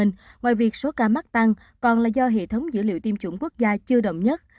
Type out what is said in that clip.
ngoài việc số ca mắc tăng còn là do hệ thống dữ liệu tiêm chủng quốc gia chưa đồng nhất